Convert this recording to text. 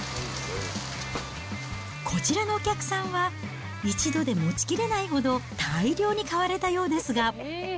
こちらのお客さんは、一度で持ちきれないほど大量に買われたようですが。